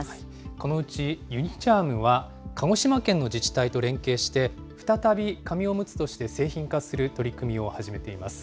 このうちユニ・チャームは、鹿児島県の自治体と連携して、再び紙おむつとして製品化する取り組みを始めています。